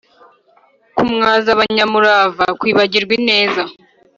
kumwaza abanyamurava, kwibagirwa ineza,